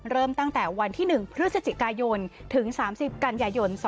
เริ่มตั้งแต่วันที่๑พฤศจิกายนถึง๓๐กันยายน๒๕๖